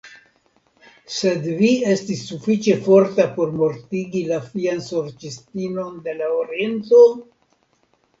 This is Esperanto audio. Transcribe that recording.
Sed vi estis sufiĉe forta por mortigi la fian Sorĉistinon de la Oriento?